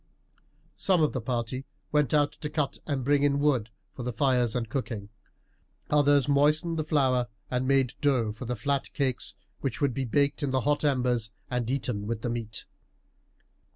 Some of the party went out to cut and bring in wood for the fires and cooking; others moistened the flour and made dough for the flat cakes which would be baked in the hot embers and eaten with the meat.